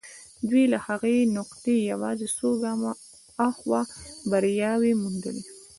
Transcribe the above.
دوی له هغې نقطې يوازې څو ګامه هاخوا برياوې موندلې.